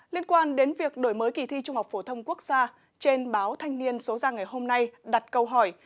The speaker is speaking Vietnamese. liên quan đến việc đổi mới kỳ thi trung học phổ thông quốc gia trên báo thanh niên số ra ngày hôm nay đặt câu hỏi